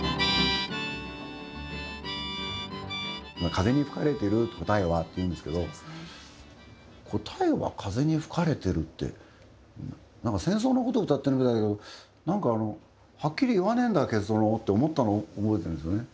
風に吹かれてる答えはって言うんですけど答えは風に吹かれてるってなんか戦争のことを歌ってるみたいだけどなんかはっきり言わねえんだ結論をって思ったのを覚えてるんですよね。